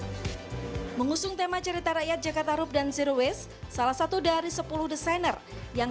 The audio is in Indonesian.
hai mengusung tema cerita rakyat jakarta rup dan zero waste salah satu dari sepuluh designer yang